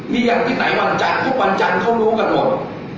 มีอย่างที่ไหนบางจันทร์ทุกบางจันทร์เขารู้กันหมด